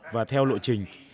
và theo lộ trình